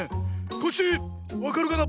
コッシーわかるかな？